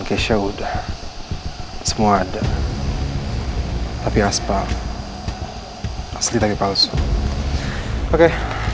di indonesia udah semua ada tapi asfal asli tapi palsu oke